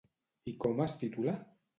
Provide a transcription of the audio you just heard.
I com es titula?